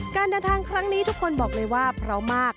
การเดินทางครั้งนี้ทุกคนบอกเลยว่าพร้อมมาก